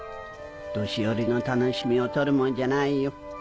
年寄りの楽しみを取るもんじゃないよ。